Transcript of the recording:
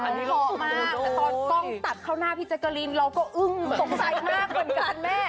พอมากตอนกองตัดเข้าหน้าพี่จักรีนเราก็อึ้งสงสัยมากเหมือนกันแม่